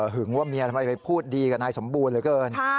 ว่าเมียทำไมไปพูดดีกับนายสมบูรณ์เหลือเกิน